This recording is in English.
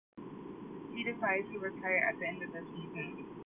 He decided to retire at the end of the season.